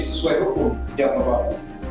sesuai hukum yang berlaku